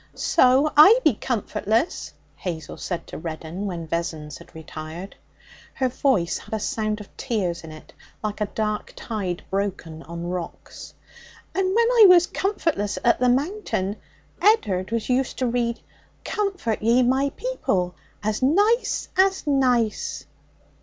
'So I be comfortless,' Hazel said to Reddin when Vessons had retired. Her voice had a sound of tears in it, like a dark tide broken on rocks. 'And when I was comfortless at the Mountain Ed'ard was used to read "Comfort ye, my people," as nice as nice.'